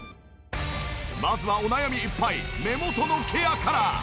まずはお悩みいっぱい目元のケアから。